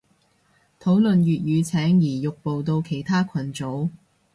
討論粵語請移玉步到其他群組